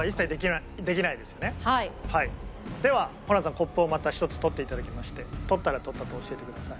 コップをまた１つ取っていただきまして取ったら「取った」と教えてください。